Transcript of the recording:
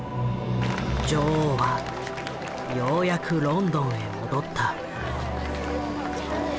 女王はようやくロンドンへ戻った。